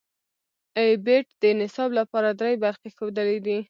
ای بیټ د نصاب لپاره درې برخې ښودلې دي.